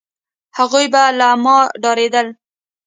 هغوی به له ما ډارېدل،